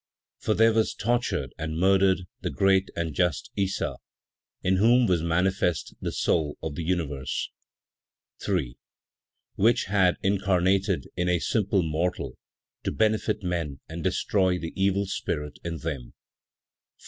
For there was tortured and murdered the great and just Issa, in whom was manifest the soul of the Universe; 3. Which had incarnated in a simple mortal, to benefit men and destroy the evil spirit in them; 4.